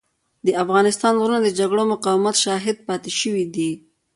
د افغانستان غرونه د جګړو او مقاومتونو شاهد پاتې شوي دي.